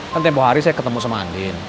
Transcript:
kan tempoh hari saya ketemu sama andin